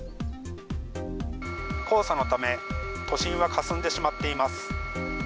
黄砂のため、都心はかすんでしまっています。